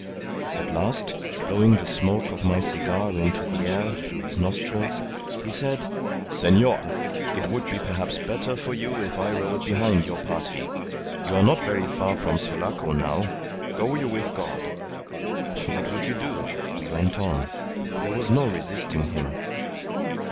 At last, blowing the smoke of my cigar into the air through his nostrils, he said, 'Senor, it would be perhaps better for you if I rode behind your party. You are not very far from Sulaco now. Go you with God.' What would you? We went on. There was no resisting him.